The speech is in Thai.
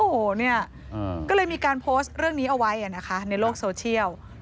โอ้โหเนี่ยก็เลยมีการโพสต์เรื่องนี้เอาไว้นะคะในโลกโซเชียล